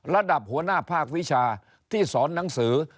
ระดับหัวหน้าภาควิชาที่สอนหนังสือ